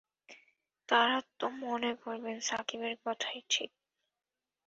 তাঁরা তো মনে করবেন, শাকিবের কথাই ঠিক।